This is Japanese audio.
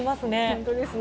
本当ですね。